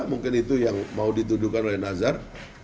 mungkin itu yang mau dituduhkan oleh nazar